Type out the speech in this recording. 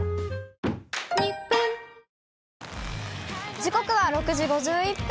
時刻は６時５１分。